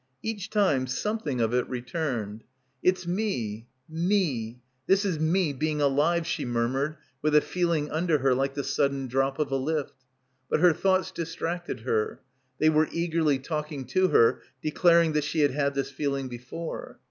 Each time something of it returned. "It's me, me; this is me being alive," she murmured with a feeling under her like the sudden drop of a lift. But her thougjhts distracted her. They were — no — BACKWATER eagerly talking to her declaring that she had had this feeling before.